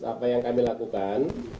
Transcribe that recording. apa yang kami lakukan